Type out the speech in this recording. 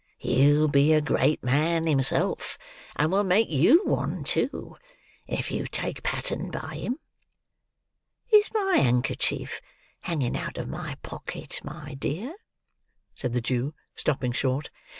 He'll be a great man himself, and will make you one too, if you take pattern by him.—Is my handkerchief hanging out of my pocket, my dear?" said the Jew, stopping short.